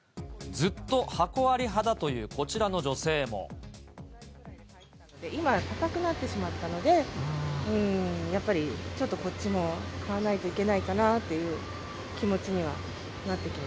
ずっと箱あり派だというこち今、高くなってしまったので、やっぱりちょっとこっちも買わないといけないかなっていう気持ち